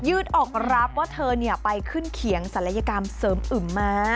ืดอกรับว่าเธอไปขึ้นเขียงศัลยกรรมเสริมอึมมา